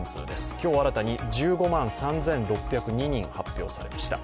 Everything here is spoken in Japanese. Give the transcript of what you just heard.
今日新たに１５万３６０２人発表されました。